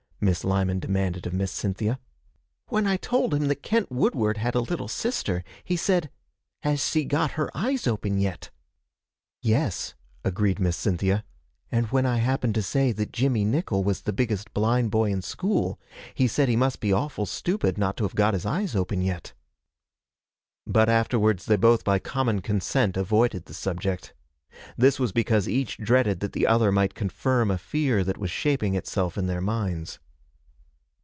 Miss Lyman demanded of Miss Cynthia. 'When I told him that Kent Woodward had a little sister, he said, "Has s'e got her eyes open yet?" 'Yes,' agreed Miss Cynthia; 'and when I happened to say that Jimmie Nickle was the biggest blind boy in school, he said he must be awful stupid not to have got his eyes open yet.' But afterwards they both by common consent avoided the subject. This was because each dreaded that the other might confirm a fear that was shaping itself in their minds.